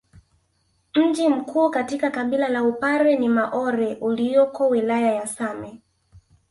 Mji mkuu katika kabila la upare ni maore ulioko wilaya ya same